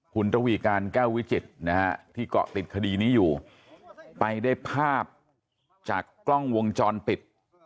คุณระวีการแก้ววิจิตรนะฮะที่เกาะติดคดีนี้อยู่ไปได้ภาพจากกล้องวงจรปิด